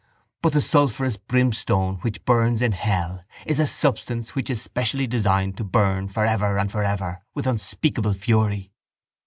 But the sulphurous brimstone which burns in hell is a substance which is specially designed to burn for ever and for ever with unspeakable fury.